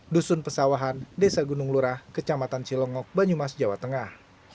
dusun pesawahan desa gunung lurah kecamatan cilongok banyumas jawa tengah